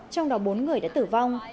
trong đó bốn người đã tử vong